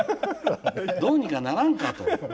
どうにかならんかと。